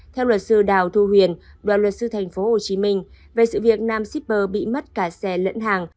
theo luật sư đào thu huyền đoàn luật sư tp hcm về sự việc nam shipper bị mất cả xe lẫn hàng